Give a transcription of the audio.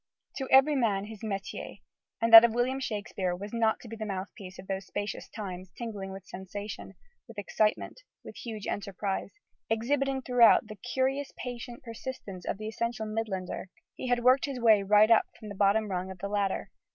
To every man his métier: and that of William Shakespeare was not to be the mouthpiece of those "spacious times," tingling with sensation, with excitement, with huge enterprise. Exhibiting, throughout, the curious patient persistence of the essential Midlander, he had worked his way right up from the bottom rung of the ladder.